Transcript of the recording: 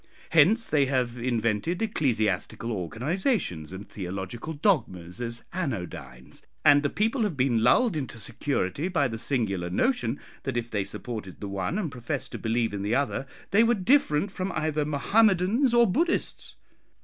Hence they have invented ecclesiastical organisations and theological dogmas as anodynes; and the people have been lulled into security by the singular notion, that if they supported the one and professed to believe in the other, they were different from either Mohammedans or Bhuddists.